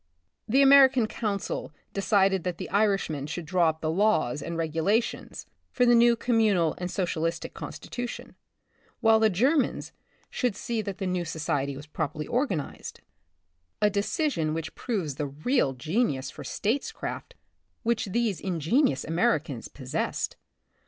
The American Council decided that the Irishmen should draw up the laws and regulations for the new Communal and Socialistic constitu tion, while, the Germans should see that the / 52 The Republic of the Future, new society was properly organized ; a decision which proves the real genius for statescraft which these ingenious Americans possessed.